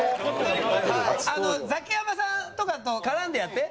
あのザキヤマさんとかと絡んでやって。